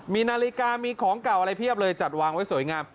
มีนาฬิกามีของเก่าอะไรเพียบเลยจัดวางไว้สวยงาม